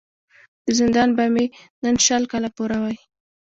د زندان به مي نن شل کاله پوره وای